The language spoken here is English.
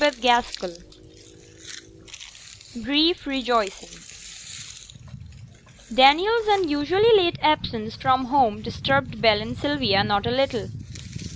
CHAPTER XXIV BRIEF REJOICING Daniel's unusually late absence from home disturbed Bell and Sylvia not a little.